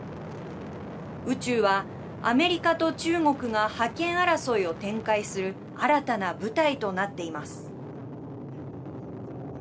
宇宙は、アメリカと中国が覇権争いを展開する新たな舞台となっています。